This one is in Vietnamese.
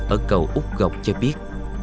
ở cầu úc gọc cho biết